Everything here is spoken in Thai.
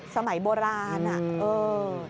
สมัยโบราณอะ